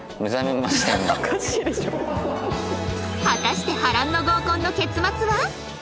果たして波乱の合コンの結末は！？